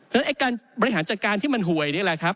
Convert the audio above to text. ฉะการบริหารจัดการที่มันหวยนี่แหละครับ